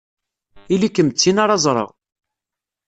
Ili-kem d tin ara ẓreɣ!